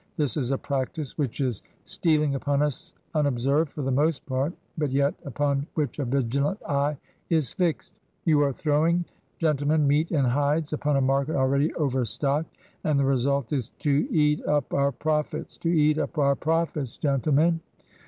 This is a practice which is steal ing upon us unobserved for the most part, but yet upon which a vigilant eye is fixed. You are throwing, gen tlemen, meat and hides upon a market already over stocked; and the result is to eat up our profits ! To eat up our Profits^ gentlemen